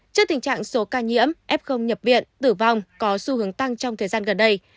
trước tình trạng số ca nhiễm f nhập viện tử vong có xu hướng tăng trong thời gian gần đây